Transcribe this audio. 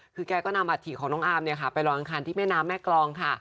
คือแกก็นำอัฐิของน้องอาร์มไปลอยอังคารที่แม่น้ำแม่กรองค่ะ